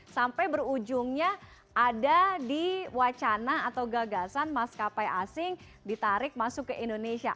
sampai berujungnya ada di wacana atau gagasan maskapai asing ditarik masuk ke indonesia